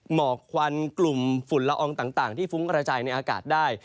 หมอกควันกลุ่มฝุ่นละอองต่างที่ฟุ้งกระจายในอากาศได้